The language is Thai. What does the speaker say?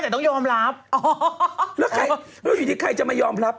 ไหมคือไปทำให้ผิดคุณแม่แต่ต้องยอมรับ